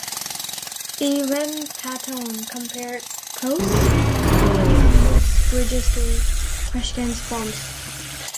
Yevhen Paton compared Proskouriakov's bridges to Pushkin's poems.